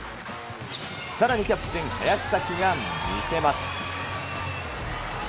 さらにキャプテン、林咲希が見せます。